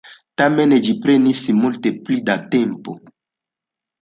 Tamen, ĝi prenis multe pli da tempo.